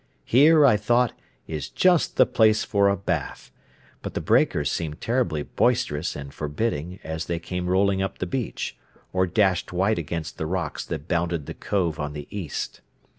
Here, I thought, is just the place for a bath; but the breakers seemed terribly boisterous and forbidding as they came rolling up the beach, or dashed white against the rocks that bounded the cove on the east.